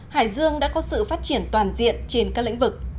hải dương đã có sự phát triển toàn diện trên các lĩnh vực